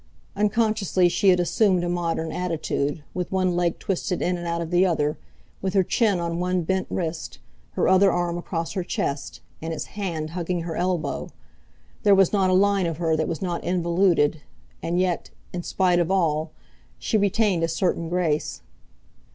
Unconsciously she had assumed a modern attitude, with one leg twisted in and out of the other, with her chin on one bent wrist, her other arm across her chest, and its hand hugging her elbow; there was not a line of her that was not involuted, and yet—in spite of all—she retained a certain grace.